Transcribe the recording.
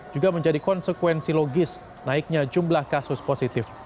juga menjadi konsekuensi logis naiknya jumlah kasus positif